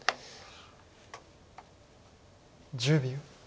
１０秒。